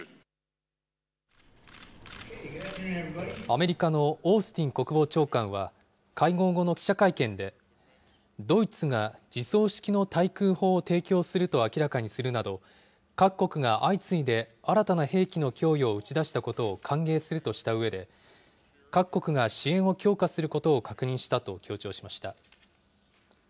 アメリカのオースティン国防長官は、会合後の記者会見で、ドイツが自走式の対空砲を提供すると明らかにするなど、各国が相次いで新たな兵器の供与を打ち出したことを歓迎するとしたうえで、各国が支援を強化することを確認したと強調しました。